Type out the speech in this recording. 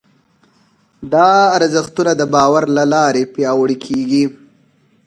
دا ارزښتونه د باور له لارې پياوړي کېږي.